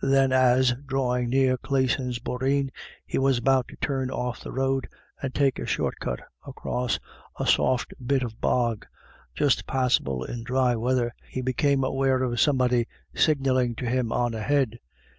Then as, draw ing near Classon's Boreen, he was about to turn off the road and take a short cut across a " soft " bit of b°& j us * passable in dry weather, he became aware of somebody signalling to him on ahead.